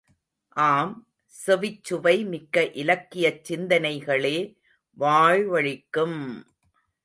ஆம், செவிச்சுவைமிக்க இலக்கியச் சிந்தனைகளே வாழ்வளிக்கும்!